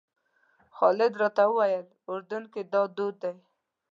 خالد راته وویل اردن کې دا دود دی.